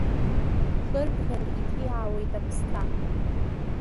Хырбӷьар иҭиаауеит аԥсҭа…